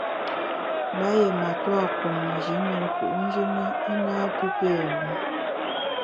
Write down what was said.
Mba yié matua pé kum Nji ne nku’njù na i napi pé wum.